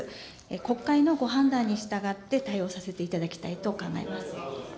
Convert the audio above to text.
国会のご判断に従って、対応させていただきたいと考えます。